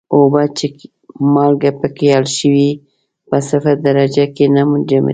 اوبه چې مالګه پکې حل شوې په صفر درجه کې نه منجمد کیږي.